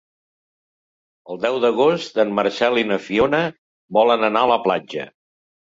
El deu d'agost en Marcel i na Fiona volen anar a la platja.